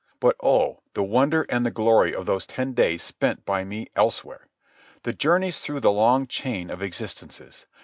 But oh, the wonder and the glory of those ten days spent by me elsewhere! The journeys through the long chain of existences!